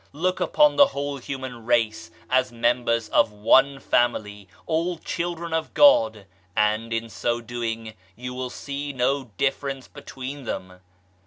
Look upon the whole human race as members of one family, all children of God ; and, in so doing you will see no difference between them.